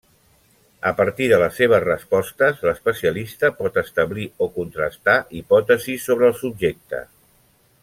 A partir de les seves respostes, l'especialista pot establir o contrastar hipòtesis sobre el subjecte.